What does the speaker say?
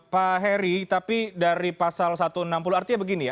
pak heri tapi dari pasal satu ratus enam puluh artinya begini ya